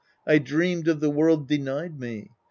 I dreamed of the world denied me.